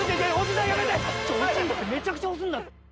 めちゃくちゃ押すんだ。